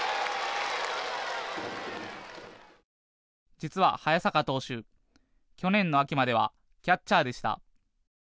実は早坂投手、去年の秋まではキャッチャーでした。